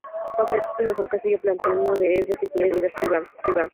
Considerado el mejor castillo palentino, es de titularidad privada.